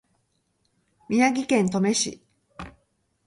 宮城県登米市